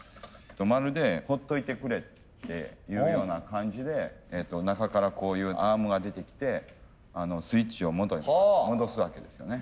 まるでほっといてくれっていうような感じで中からこういうアームが出てきてスイッチを元に戻すわけですよね。